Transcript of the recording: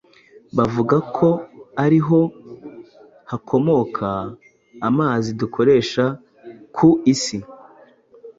bavuga ko ari ho hakomoka amazi dukoresha ku Isi